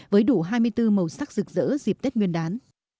với đủ hai mươi bốn màu sắc rực rỡ dịp tết nguyên đán